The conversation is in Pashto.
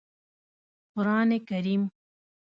قرآن کریم